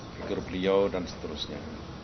figur beliau dan seterusnya